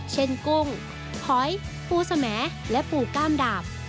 เช่นกุ้งหอยภูเสมอและปู่ก้ามดาบ